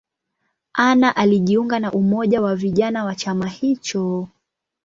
Anna alijiunga na umoja wa vijana wa chama hicho.